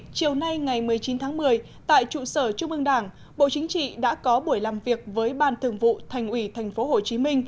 chiều nay ngày một mươi chín tháng một mươi tại trụ sở trung ương đảng bộ chính trị đã có buổi làm việc với ban thường vụ thành ủy tp hcm